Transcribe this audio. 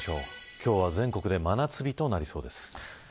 今日は全国で真夏日となりそうです。